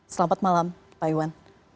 selamat malam pak iwan